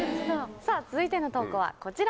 さぁ続いての投稿はこちら。